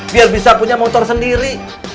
biar bisa punya motor sendiri